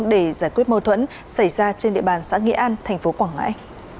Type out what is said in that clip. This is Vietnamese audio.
để giải quyết mâu thuẫn xảy ra trên địa bàn xã nghĩa an tp quảng ngãi